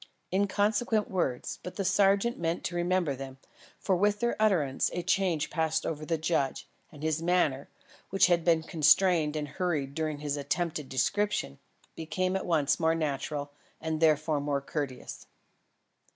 Inconsequent words, but the sergeant meant to remember them, for with their utterance, a change passed over the judge; and his manner, which had been constrained and hurried during his attempted description, became at once more natural, and therefore more courteous.